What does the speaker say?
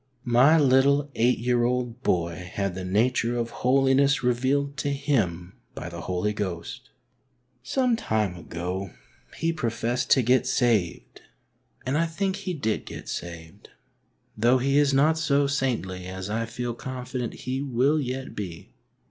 My little eight year old boy had the nature of holiness revealed to him by the Holy Ghost. Some time ago he professed to get saved, and I think he did get saved, though he is not so saintly as I feel confident he will yet be.